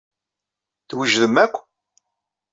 Twejdem akk?